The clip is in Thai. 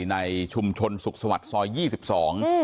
ในชุมชนสุขสมุทรซอยยี่สิบสอง